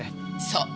そう。